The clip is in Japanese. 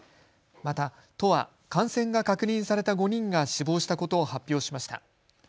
また、都は感染が確認された５人が死亡したことを発表しました。